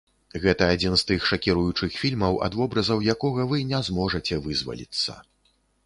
Гэта адзін з тых шакіруючых фільмаў, ад вобразаў якога вы не зможаце вызваліцца.